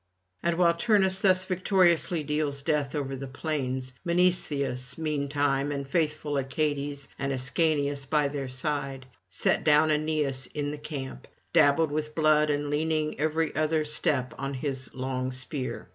And while Turnus thus victoriously deals death over the plains, Mnestheus meantime and faithful Achates, and Ascanius by their side, set down Aeneas in the camp, dabbled with blood and leaning every other step on his long spear.